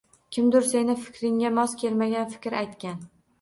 Kimdur seni fikringa mos kelmagan fikr aytgan